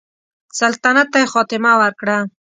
سلطنت ته یې خاتمه ورکړه.